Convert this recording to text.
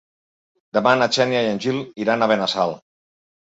Demà na Xènia i en Gil iran a Benassal.